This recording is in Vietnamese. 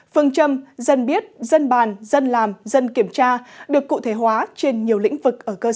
phương châm dân biết dân bàn dân làm dân kiểm tra được cụ thể hóa trên nhiều